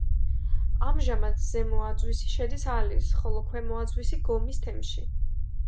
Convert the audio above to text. ამჟამად ზემო აძვისი შედის ალის, ხოლო ქვემო აძვისი გომის თემში.